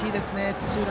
土浦